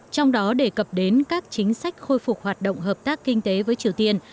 trong đó đề cập đến các chính sách khôi phục hoạt động hợp tác kinh tế với triều tiên